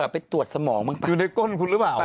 ไปตรวจสมองบ้าง